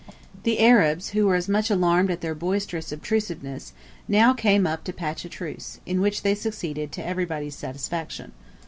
The Arabs, who were as much alarmed at their boisterous obtrusiveness, now came up to patch a truce, in which they succeeded to everybody's satisfaction.